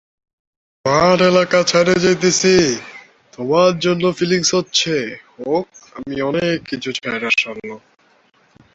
উপরিউক্ত দলসহ কিউবা এ সংস্থার সদস্য ছিল।